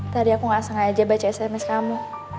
tadi aku gak sengaja baca sms kamu